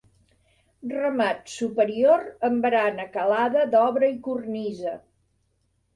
Remat superior amb barana calada d'obra i cornisa.